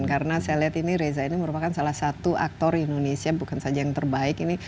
karena saya lihat ini reza ini merupakan salah satu aktor indonesia bukan saja yang terbaik ini